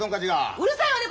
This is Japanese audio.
うるさいわね